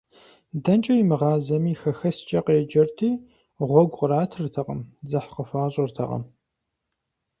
ДэнэкӀэ имыгъазэми, «хэхэскӀэ» къеджэрти, гъуэгу къратыртэкъым, дзыхь къыхуащӀыртэкъым.